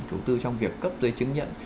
của chủ tư trong việc cấp dây chứng nhận